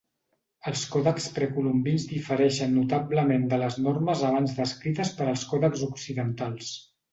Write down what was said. Els còdexs precolombins difereixen notablement de les normes abans descrites per als còdexs occidentals.